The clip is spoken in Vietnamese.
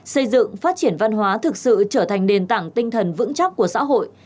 xây dựng phát triển văn hóa thực sự trở thành nền tảng tinh thần vững chắc của xã hội